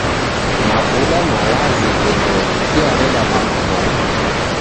Mavuda malazi vindonyi ghiareda maw'ukongo.